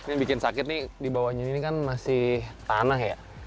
ini bikin sakit nih di bawahnya ini kan masih tanah ya